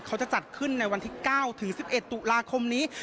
เขาจะจัดขึ้นในวันที่๙ถึง๑๑ตุลาคมนี้